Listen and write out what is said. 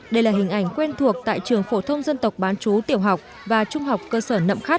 đây là hình ảnh quen thuộc tại trường phổ thông dân tộc bán chú tiểu học và trung học cơ sở nậm khắc